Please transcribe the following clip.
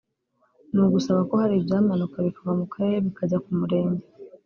ni ugusaba ko hari ibyamanuka bikava ku karere bikajya ku murenge